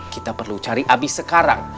kita perlu cari abis sekarang